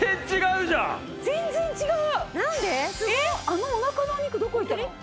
あのお腹のお肉どこいったの？